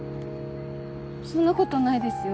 そんなことないですよ。